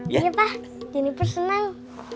iya pak jeniper senang